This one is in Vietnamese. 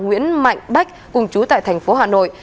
nguyễn mạnh bách cùng chú tại thành phố hà nội